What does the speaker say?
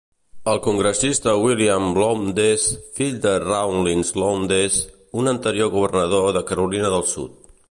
El congressista William Lowndes, fill de Rawlins Lowndes, un anterior governador de Carolina del Sud.